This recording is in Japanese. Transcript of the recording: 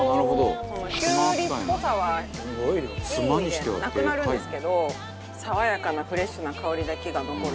きゅうりっぽさはいい意味で、なくなるんですけど爽やかなフレッシュな香りだけが残る。